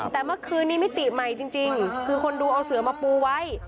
แต่เมื่อคืนนี้มิติใหม่จริงคือคนดูเอาเสือมาปูไว้